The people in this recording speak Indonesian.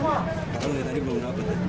dari tadi belum dapet ya